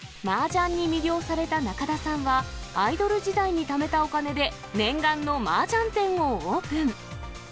マージャンに魅了された中田さんは、アイドル時代にためたお金で、念願のマージャン店をオープン。